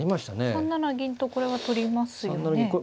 ３七銀これ取りますね。